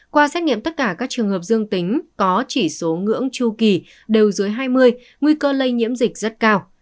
qua xét nghiệm tất cả các trường hợp dương tính có chỉ số ngưỡng chu kỳ đều dưới hai mươi nguy cơ lây nhiễm dịch rất cao